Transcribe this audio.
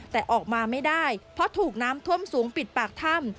แต่ออกมาไม่ได้เพราะถูกน้ำท่วมสูงปิดปากถ้ำ